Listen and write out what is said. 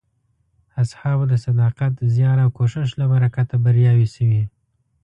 اصحابو د صداقت، زیار او کوښښ له برکته بریاوې شوې.